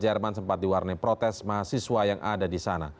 jerman sempat diwarnai protes mahasiswa yang ada di sana